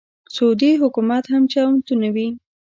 سعودي حکومت هم چمتو نه وي.